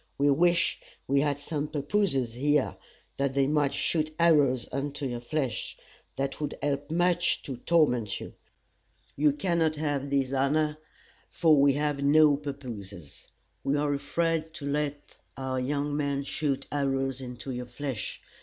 We wish we had some pappooses here, that they might shoot arrows into your flesh. That would help much to torment you. You cannot have this honor, for we have no pappooses. We are afraid to let our young men shoot arrows into your flesh.